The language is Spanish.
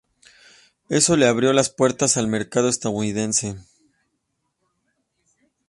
Eso le abrió las puertas al mercado estadounidense.